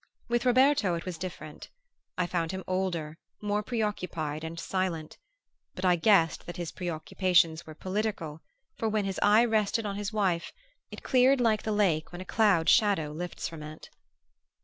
With Roberto it was different. I found him older, more preoccupied and silent; but I guessed that his preoccupations were political, for when his eye rested on his wife it cleared like the lake when a cloud shadow lifts from it.